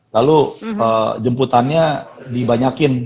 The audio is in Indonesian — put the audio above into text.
lalu jemputannya dibanyakin